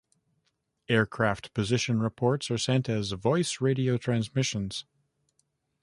Aircraft position reports are sent as voice radio transmissions.